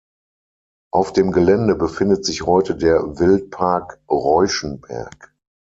Auf dem Gelände befindet sich heute der Wildpark Reuschenberg.